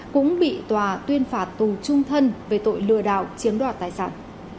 cũng bị tòa tuyên phạt tù trung thân về tội lừa đảo chiếm đoạt tài sản